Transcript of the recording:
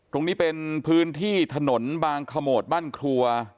ตรงนี้เป็นพื้นที่ถนนบางขโมดบ้านครัว